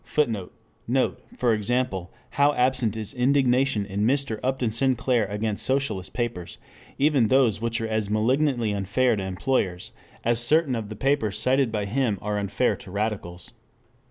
[Footnote: Note, for example, how absent is indignation in Mr. Upton Sinclair against socialist papers, even those which are as malignantly unfair to employers as certain of the papers cited by him are unfair to radicals.